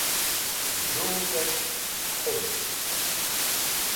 Zũg̃hes̃h qũrd.